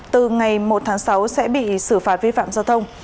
từ ngày một tháng sáu sẽ bị xử phạt vi phạm giao thông